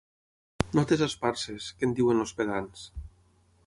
Notes esparses, que en diuen els pedants.